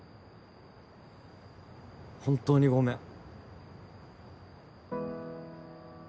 本当にごめん。